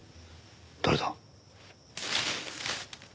誰だ？